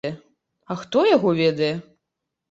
А хто яго ведае!